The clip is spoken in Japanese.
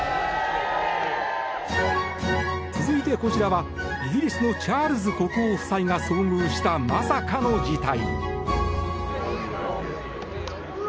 続いて、こちらはイギリスのチャールズ国王夫妻が遭遇した、まさかの事態。